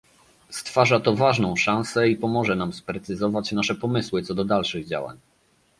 Stwarza to ważną szansę i pomoże nam sprecyzować nasze pomysły co do dalszych działań